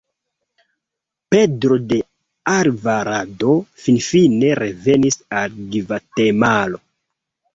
Pedro de Alvarado finfine revenis al Gvatemalo.